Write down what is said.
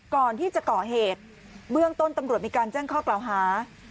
ก่อนที่จะก่อเหตุเบื้องต้นตำรวจมีการแจ้งข้อกล่าวหา